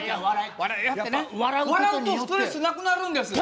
笑うとストレスなくなるんですよ。